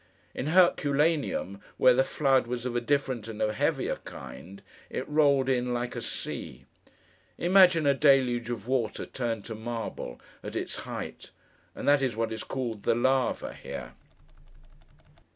In Herculaneum, where the flood was of a different and a heavier kind, it rolled in, like a sea. Imagine a deluge of water turned to marble, at its height—and that is what is called 'the lava' here.